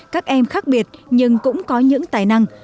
các em khác biệt nhưng cũng có những tài năng